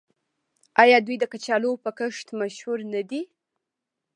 آیا دوی د کچالو په کښت مشهور نه دي؟